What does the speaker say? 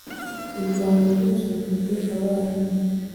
u rwanda rwose rufite abana